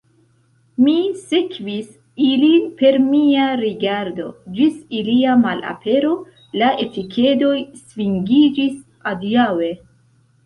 Mi sekvis ilin per mia rigardo, ĝis ilia malapero, la etikedoj svingiĝis adiaŭe.